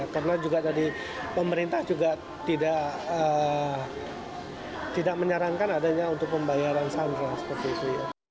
karena juga tadi pemerintah juga tidak menyarankan adanya untuk pembayaran sandra seperti itu